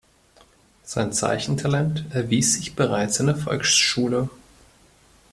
Sein Zeichentalent erwies sich bereits in der Volksschule.